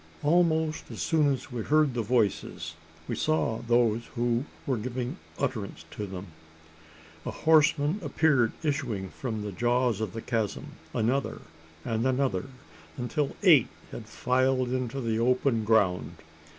Almost as soon as we heard the voices, we saw those who were giving utterance to them. A horseman appeared issuing from the jaws of the chasm another, and another until eight had filed into the open ground!